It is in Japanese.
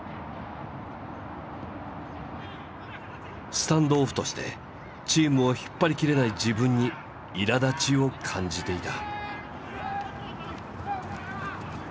スタンドオフとしてチームを引っ張りきれない自分にいらだちを感じていた。